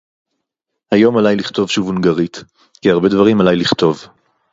היום עליי לכתוב שוב הונגרית, כי הרבה דברים עליי לכתוב.